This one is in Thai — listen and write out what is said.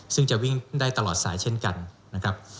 ซึ่งจะวิ่งได้ตลอดสายเช่นกันนะครับ